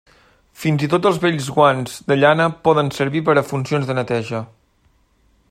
Fins i tot els vells guants de llana poden servir per a funcions de neteja.